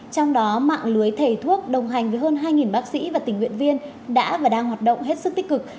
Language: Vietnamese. trong đó mạng lưới thầy thuốc đồng hành với hơn hai bác sĩ và tình nguyện viên đã và đang hoạt động hết sức tích cực